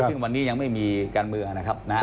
ซึ่งวันนี้ยังไม่มีการเมืองนะครับ